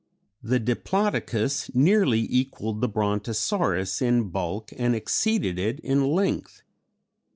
_ The Diplodocus nearly equalled the Brontosaurus in bulk and exceeded it in length.